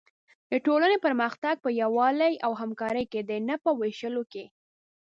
د ټولنې پرمختګ په یووالي او همکارۍ کې دی، نه په وېشلو کې.